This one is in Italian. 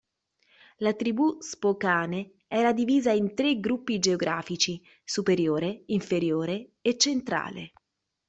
La tribù Spokane era divisa in tre gruppi geografici, superiore, inferiore e centrale.